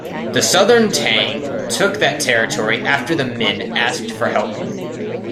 The Southern Tang took that territory after the Min asked for help.